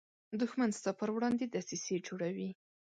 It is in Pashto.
دښمن ستا پر وړاندې دسیسې جوړوي